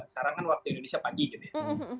sekarang kan waktu indonesia pagi gitu ya